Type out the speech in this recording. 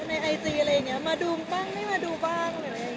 ในไอจีอะไรนี้มาดูบ้างไม่มาดูบ้าง